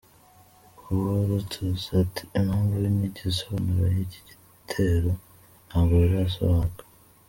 Hubertus ati “Impamvu n’igisobanuro y’iki gitero ntabwo birasobanuka.